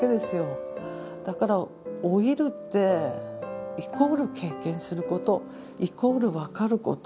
だから老いるってイコール経験することイコール分かること。